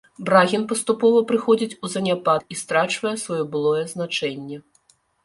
Брагін паступова прыходзіць у заняпад і страчвае сваё былое значэнне.